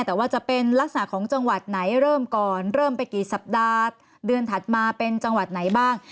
แต่ว่าจะเป็นลักษณะของจังหวัดไหนเริ่มก่อนเริ่มไปกี่สัปดาห์เดือนถัดมาเป็นจังหวัดไหนบ้าง